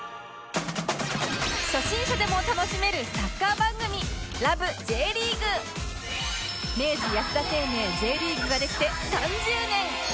初心者でも楽しめるサッカー番組明治安田生命 Ｊ リーグができて３０年！